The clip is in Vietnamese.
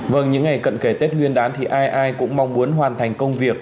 vâng những ngày cận kề tết nguyên đán thì ai ai cũng mong muốn hoàn thành công việc